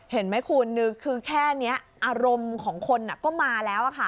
เห็นไหมคุณคือแค่นี้อารมณ์ของคนก็มาแล้วค่ะ